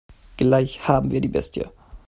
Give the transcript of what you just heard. Gleich haben wir die Bestie.